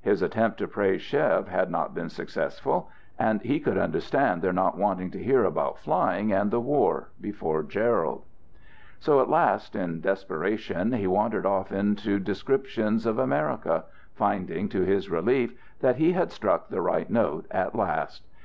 His attempt to praise Chev had not been successful, and he could understand their not wanting to hear about flying and the war before Gerald. So at last, in desperation, he wandered off into descriptions of America, finding to his relief, that he had struck the right note at last.